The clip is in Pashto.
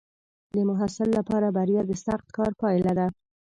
د محصل لپاره بریا د سخت کار پایله ده.